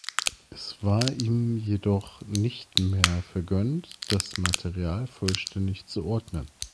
Es war ihm jedoch nicht mehr vergönnt, das Material vollständig zu ordnen.